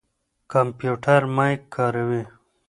کمپيوټر مايک کاروي.